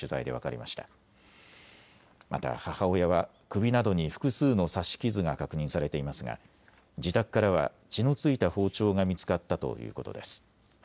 また母親は首などに複数の刺し傷が確認されていますが自宅からは血の付いた包丁が見つかったということです。